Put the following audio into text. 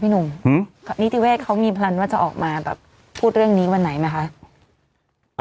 หนุ่มนิติเวศเขามีแพลนว่าจะออกมาแบบพูดเรื่องนี้วันไหนไหมคะ